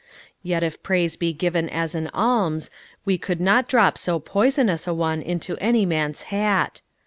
Yet if praise be given as an alms, we could not drop so poisonous a one into any man's hat.